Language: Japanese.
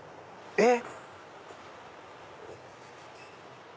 えっ？